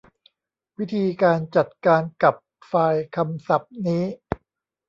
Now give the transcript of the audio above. วิธีการจัดการกับไฟล์คำศัพท์นี้